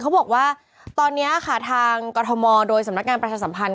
เขาบอกว่าตอนนี้ค่ะทางกรทมโดยสำนักงานประชาสัมพันธ